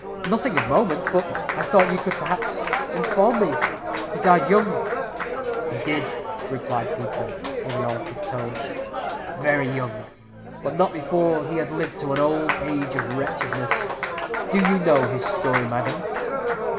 "Nothing of moment. But I thought you could, perhaps, inform me. He died young." "He did," replied Peter, in an altered tone "very young; but not before he had lived to an old age of wretchedness. Do you know his story, madam?"